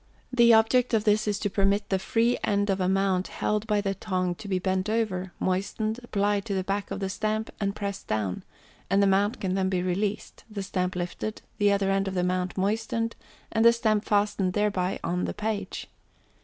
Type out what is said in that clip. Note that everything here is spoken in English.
The object of this is to permit the free end of a mount held by the tong to be bent over, moistened, applied to the back of the stamp, and pressed down, and the mount can then be released, the stamp lifted, the other end of the mount moistened, and the stamp fastened thereby on the page.